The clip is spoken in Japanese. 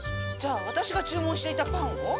じゃあ私が注文していたパンを？